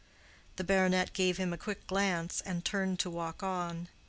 The baronet gave him a quick glance, and turned to walk on.